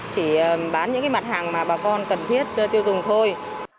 chỉ bán những cái mặt hàng mà bà con cần thiết tiêu dùng thôi